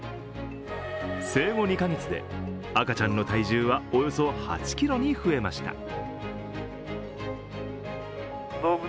生後２カ月で、赤ちゃんの体重はおよそ８ｋｇに増えました。